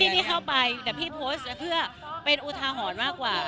ที่มีข้าวไปแต่พี่โพสและเพื่อเป็นอูทหว่อนมากกว่า